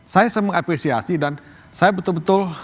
saya mengapresiasi dan saya betul betul